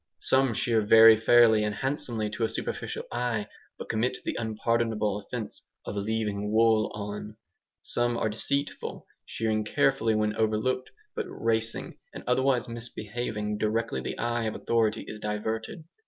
Some shear very fairly and handsomely to a superficial eye, but commit the unpardonable offence of "leaving wool on." Some are deceitful, shearing carefully when overlooked, but "racing" and otherwise misbehaving directly the eye of authority is diverted.